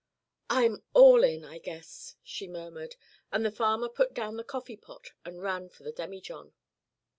"I'm all in, I guess," she murmured, and the farmer put down the coffee pot and ran for the demijohn.